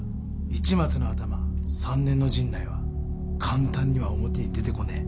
市松のアタマ３年の陣内は簡単には表に出てこねえ。